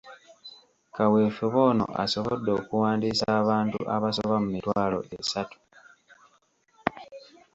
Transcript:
Kaweefube ono asobodde okuwandiisa abantu abasoba mu mitwalo asatu.